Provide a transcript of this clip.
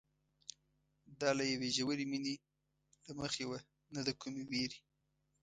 دا له یوې ژورې مینې له مخې وه نه د کومې وېرې.